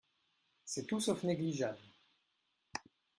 C’est tout sauf négligeable